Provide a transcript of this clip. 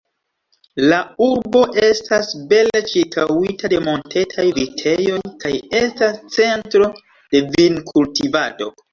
La urbo estas bele ĉirkaŭita de montetaj vitejoj, kaj estas centro de vinkultivado.